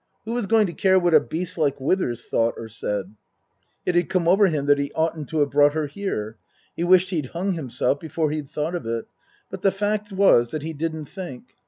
Who was going to care what a beast like Withers thought or said ? It had come over him that he oughtn't to have brought her here. He wished he'd hung himself before he'd thought of it, but the fact was that he didn't think.